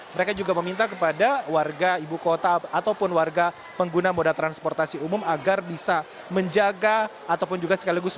mereka juga meminta kepada warga ibu kota ataupun warga pengguna moda transportasi umum agar bisa menjaga ataupun juga sekaligus